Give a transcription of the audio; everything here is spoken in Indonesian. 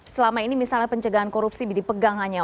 selama ini misalnya pencegahan korupsi dipegang hanya